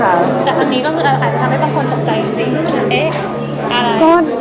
ทำให้บางคนตกใจอย่างงี้